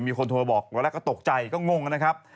มีคนโทรบอกแล้วก็ตกใจก็งงนะครับ